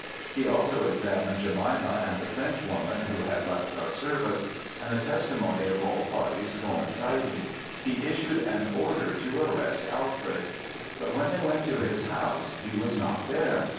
He also examined Jemima and the Frenchwoman who had left our service; and the testimony of all parties coinciding, he issued an order to arrest Alfred. But when they went to his house he was not there.